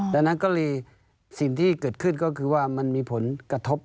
ดังนั้นก็เลยสิ่งที่เกิดขึ้นก็คือว่ามันมีผลกระทบ